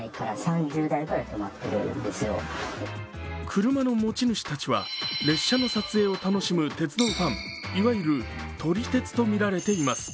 車の持ち主たちは列車の撮影を楽しむ鉄道ファンいわゆる撮り鉄とみられています。